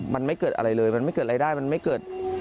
มันไม่เกิดอะไรเลยมันไม่เกิดรายได้มันไม่เกิด